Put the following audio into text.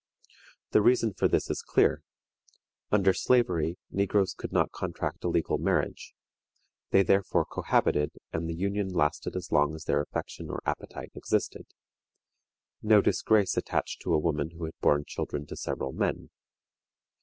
The reason for this is clear. Under slavery, negroes could not contract a legal marriage; they therefore cohabited, and the union lasted as long as their affection or appetite existed. No disgrace attached to a woman who had borne children to several men.